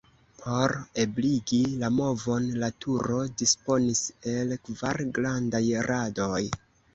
Por ebligi la movon, la turo disponis el kvar grandaj radoj.